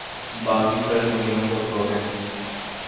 باقی سرزمینوں کو چھوڑیں۔